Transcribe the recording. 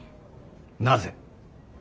なぜ。